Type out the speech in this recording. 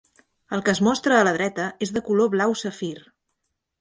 El que es mostra a la dreta és el color blau safir.